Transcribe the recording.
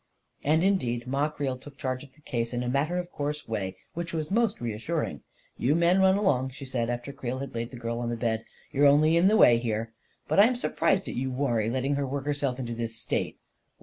And indeed Ma Creel took charge of the case in a matter of course way which was most reassuring. 44 You men run along," she said, after Creel had laid the girl on the bed. 44 You're only in the way here. But I'm surprised at you, Warrie, letting her work herself into this state."